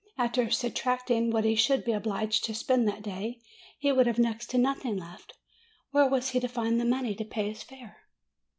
After subtracting what he should be obliged to spend that day, he would have next to nothing left. Where was he to find the money to pay his fare?